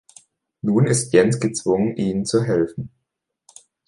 Nun ist Jens gezwungen, ihnen zu helfen.